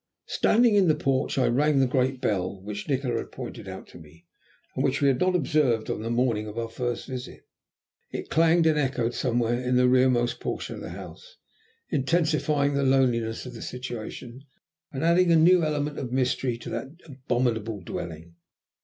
Standing in the porch I rang the great bell which Nikola had pointed out to me, and which we had not observed on the morning of our first visit. It clanged and echoed somewhere in the rearmost portion of the house, intensifying the loneliness of the situation and adding a new element of mystery to that abominable dwelling.